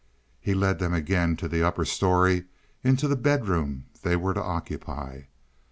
He led them again to the upper story into the bedroom they were to occupy.